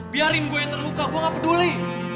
biarin gue yang terluka gue gak peduli